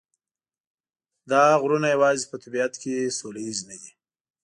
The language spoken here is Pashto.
دا غرونه یوازې په طبیعت کې سوله ییز نه دي.